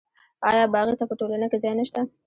آیا باغي ته په ټولنه کې ځای نشته؟